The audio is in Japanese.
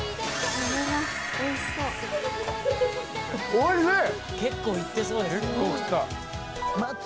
おいしい。